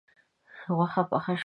غوښه پخه شوه